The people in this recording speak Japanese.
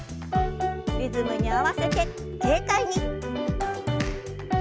リズムに合わせて軽快に。